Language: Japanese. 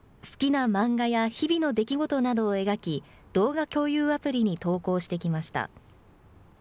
好きな漫画や日々の出来事などを描き、動画共有アプリに投稿してきました。